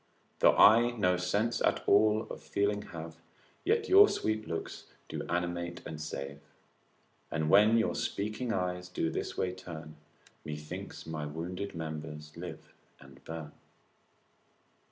Though I no sense at all of feeling have. Yet your sweet looks do animate and save; And when your speaking eyes do this way turn, Methinks my wounded members live and burn.